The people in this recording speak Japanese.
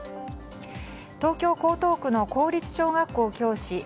東京・江東区の公立小学校教師